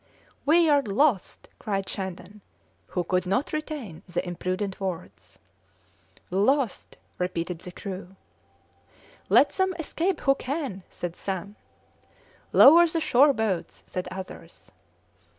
"We are lost!" cried Shandon, who could not retain the imprudent words. "Lost!" repeated the crew. "Let them escape who can!" said some. "Lower the shore boats!" said others.